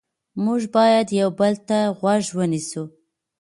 موږ باید یو بل ته غوږ ونیسو